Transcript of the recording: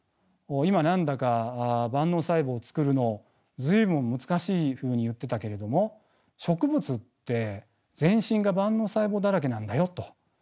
今何だか万能細胞をつくるのを随分難しいふうに言ってたけれども植物って全身が万能細胞だらけなんだよと。